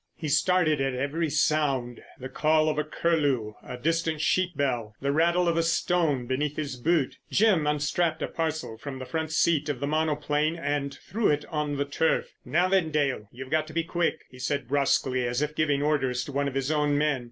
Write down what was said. He started at every sound—the call of a curlew, a distant sheep bell, the rattle of a stone beneath his boot. Jim unstrapped a parcel from the front seat of the monoplane and threw it on to the turf. "Now then, Dale, you've got to be quick," he said brusquely, as if giving orders to one of his own men.